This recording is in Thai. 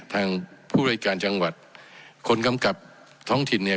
ทางผู้บริการจังหวัดคนกำกับท้องถิ่นเนี่ย